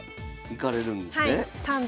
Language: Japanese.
行かれるんですね。